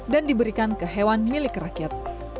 dan diberikan ke hewan milik rakyat